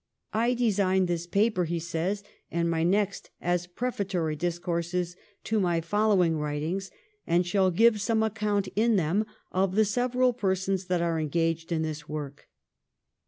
' I design this paper,' he says, •• and my next, as prefatory discourses to my following writings, and shall give some account in them of the several persons that are engaged in this work.